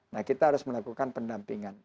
nah kita harus melakukan pendampingan